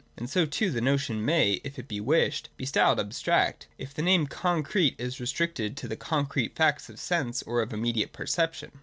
And so too the notion may, if it be wished, be styled abstract, if the name concrete is restricted to the concrete facts of sense or of immediate perception.